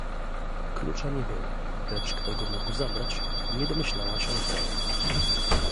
"Klucza nie było, lecz kto go mógł zabrać, nie domyślała się wcale."